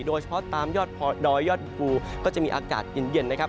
โดยเฉพาะตามยอดดอยยอดภูก็จะมีอากาศเย็นนะครับ